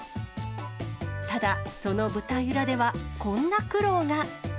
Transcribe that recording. ただ、その舞台裏では、こんな苦労が。